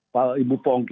pak ibu pongki